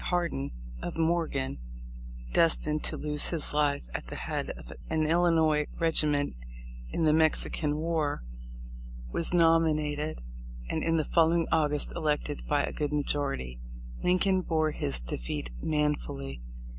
Hardin, of Morgan, destined to lose his life at the head of an Illinois regiment in the Mexican war, was nomi nated, and in the following August, elected by a good majority. Lincoln bore his defeat manfully.